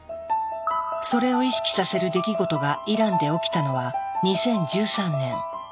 それを意識させる出来事がイランで起きたのは２０１３年。